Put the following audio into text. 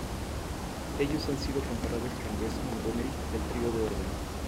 Ellos han sido comparados con Wes Montgomery del trío de órgano.